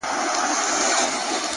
په خــــنــدا كيــسـه شـــــروع كړه،